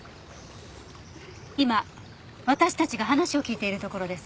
今私たちが話を聞いているところです。